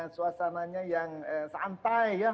suasananya yang santai